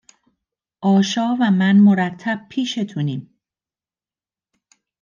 آشا و من، مرتب پیشتونیم